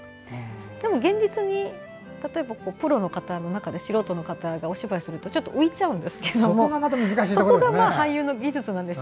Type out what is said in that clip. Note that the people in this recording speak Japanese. でも現実に例えばプロの方の中で素人の方がお芝居をするとちょっと浮いちゃうんですけどそこが俳優の技術なんですよ。